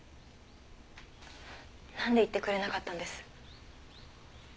なんで言ってくれなかったんです？